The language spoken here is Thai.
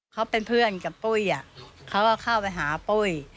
เขาเป็นเพื่อนกับปุ้ยเขาก็เข้าไปหาปุ้ย